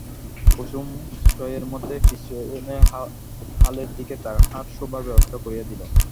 কুসুম ছইয়ের মধ্যে পিছনে হালের দিকে তাহার শোবার ব্যবস্থা করিয়া দিল।